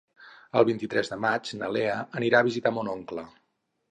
El vint-i-tres de maig na Lea anirà a visitar mon oncle.